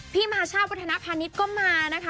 พี่มหาชาวพิธณภัณฑ์พาณิชย์ก็มานะคะ